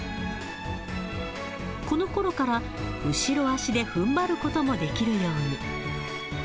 このころから、後ろ足でふんばることもできるように。